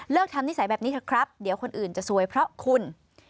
ทำนิสัยแบบนี้เถอะครับเดี๋ยวคนอื่นจะสวยเพราะคุณ